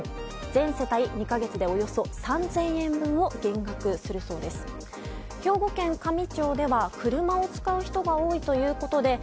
全世帯２か月でおよそ３０００円分を減額するそうです。